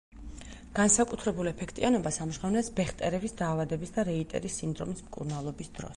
განსაკუთრებულ ეფექტიანობას ამჟღავნებს ბეხტერევის დაავადების და რეიტერის სინდრომის მკურნალობის დროს.